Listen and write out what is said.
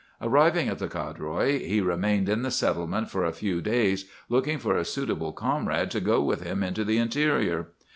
"Arrived at the Codroy, he remained in the settlement for a few days, looking for a suitable comrade to go with him into the interior.